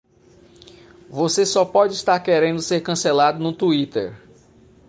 Você só pode estar querendo ser cancelado no Twitter